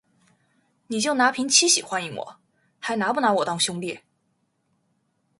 你就拿瓶七喜欢迎我，还拿不拿我当兄弟